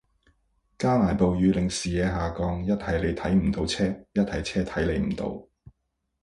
加埋暴雨令視野下降，一係你睇唔到車，一係車睇你唔到